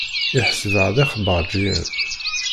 Iḥseb-aɣ d ixbaṛǧiyen.